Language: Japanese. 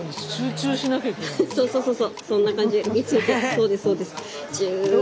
そうですそうです。